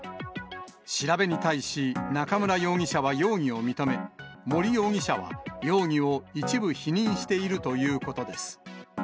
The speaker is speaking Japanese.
調べに対し中村容疑者は容疑を認め、森容疑者は容疑を一部否認しているということです。